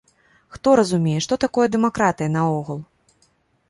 Хто разумее, што такое дэмакратыя наогул?